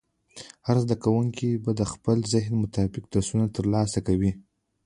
هر زده کوونکی به د خپل ذهن مطابق درسونه ترلاسه کوي.